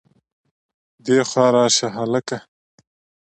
دېخوا راشه هلکه